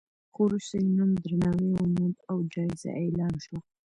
خو وروسته یې نوم درناوی وموند او جایزه اعلان شوه.